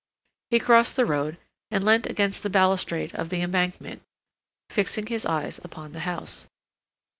He crossed the road, and leant against the balustrade of the Embankment, fixing his eyes upon the house.